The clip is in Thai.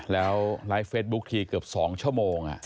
แล้วไลฟ์เฟสบุ๊คทีเกือบ๒ชั่วโมง